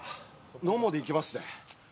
野茂でいきますね。